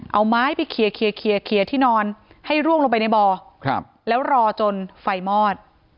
เอาไม้ไปเคลียร์ที่นอนให้ร่วงลงไปในบ่อแล้วรอจนไฟมอด